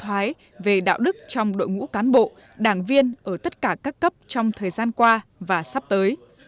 các đảng viên đều có thể tìm hiểu và suy thoái về đạo đức trong đội ngũ cán bộ đảng viên ở tất cả các cấp trong thời gian qua và sắp tới